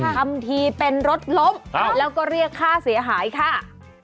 ทำทีเป็นรถล้มแล้วก็เรียกค่าเสียหายค่ะ